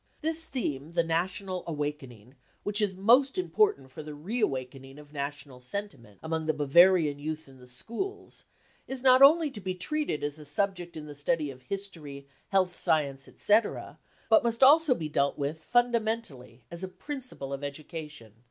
This theme, the national awakening, which is most important for the re awakening of national senti ment among the Bavarian youth in the schools, is not only to be treated as a subject of study in history, health science, etc., but must also be dealt with fundamentally as k principle of education.